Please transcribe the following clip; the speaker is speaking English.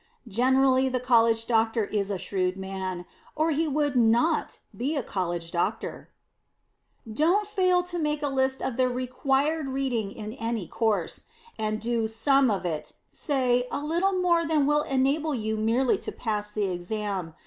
Generally, the College Doctor is a shrewd man, or he would not be the College Doctor. [Sidenote: ABOUT REQUIRED READING] Don't fail to make a list of the required reading in any course. And do some of it say, a little more than will enable you merely to pass the Exam.